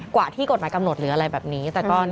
กว่าที่กฎหมายกำหนดหรืออะไรแบบนี้